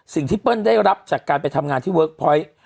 เปิ้ลได้รับจากการไปทำงานที่เวิร์คพอยต์